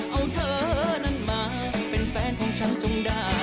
เอาเธอนั้นมาเป็นแฟนของฉันจงดา